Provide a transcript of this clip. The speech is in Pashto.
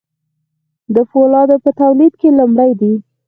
د فولادو په تولید کې لومړی دي.